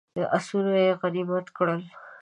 آسونه یې غنیمت کړل.